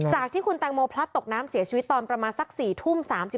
จากที่คุณแตงโมพลัดตกน้ำเสียชีวิตตอนประมาณสัก๔ทุ่ม๓๔